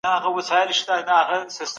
هر چا په ارامۍ سره کتاب لوست.